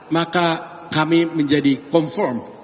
maka kami menjadi confirm